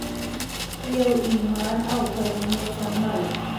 يو ایمان او بل نیک عمل.